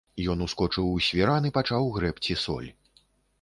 Ён ускочыў у свіран і пачаў грэбці соль.